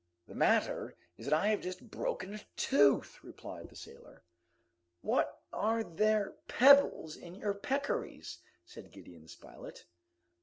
the matter is that I have just broken a tooth!" replied the sailor. "What, are there pebbles in your peccaries?" said Gideon Spilett.